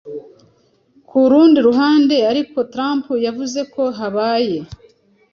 Ku rundi ruhande ariko Trump yavuze ko habaye "